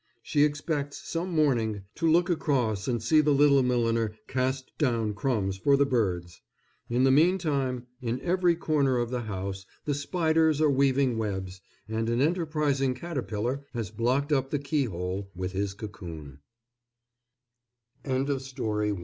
She expects, some morning, to look across and see the little milliner cast down crumbs for the birds. In the meantime, in every corner of the house the spiders are weaving webs, and an enterprising caterpillar has blocked up the key hole with his coc